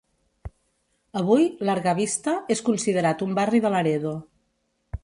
Avui, Larga Vista és considerat un barri de Laredo.